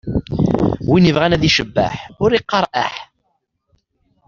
Win ibɣan ad icbeḥ, ur iqqaṛ eḥ!